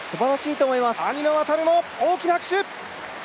兄の航も大きな拍手！